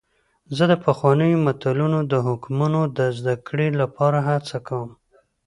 زه د پخوانیو متلونو او حکمتونو د زدهکړې لپاره هڅه کوم.